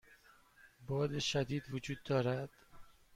باد شدید وجود دارد.